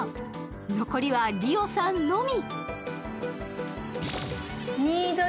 残りはＲＩＯさんのみ。